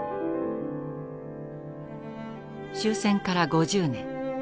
終戦から５０年。